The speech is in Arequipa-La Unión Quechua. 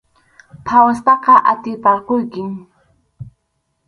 Phawaspaqa atiparquykim.